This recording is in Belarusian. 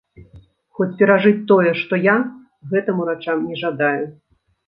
Хоць перажыць тое, што я, гэтым урачам не жадаю.